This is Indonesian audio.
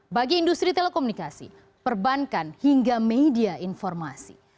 bagi industri telekomunikasi perbankan hingga media informasi